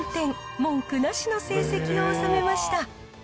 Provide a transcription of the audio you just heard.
文句なしの成績を収めました。